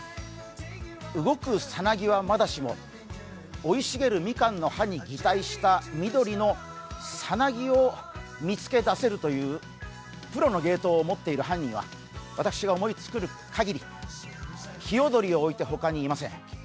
動くさなぎはまだしも生い茂るみかんの葉に擬態した緑のさなぎを見つけ出せるというプロの芸当を持っている犯人は私が思いつくかぎり、ひよどりをおいてほかにありません。